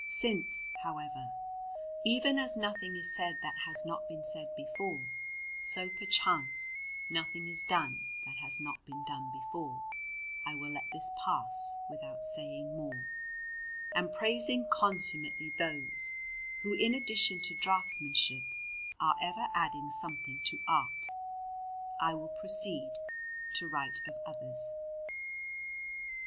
Since, however, even as nothing is said that has not been said before, so perchance nothing is done that has not been done before, I will let this pass without saying more; and praising consummately those who, in addition to draughtsmanship, are ever adding something to art, I will proceed to write of others.